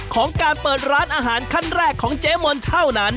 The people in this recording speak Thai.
ของการเปิดร้านอาหารขั้นแรกของเจ๊มนต์เท่านั้น